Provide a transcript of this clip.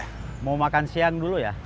ikah makan siang dulu ya ya